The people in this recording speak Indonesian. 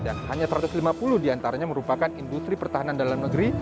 dan hanya satu ratus lima puluh diantaranya merupakan industri pertahanan dalam negeri